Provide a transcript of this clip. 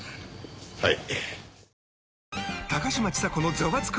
はい。